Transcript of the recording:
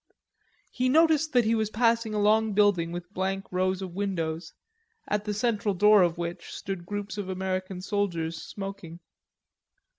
He noticed that he was passing a long building with blank rows of windows, at the central door of which stood groups of American soldiers smoking.